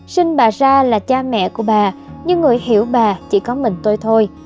sinh bà ra là cha mẹ của bà nhưng người hiểu bà chỉ có mình tôi thôi